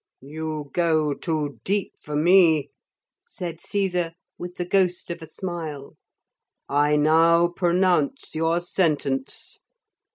'You go too deep for me,' said Caesar, with the ghost of a smile. 'I now pronounce your sentence.